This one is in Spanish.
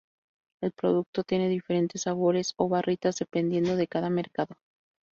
El producto tiene diferentes sabores o barritas dependiendo de cada mercado.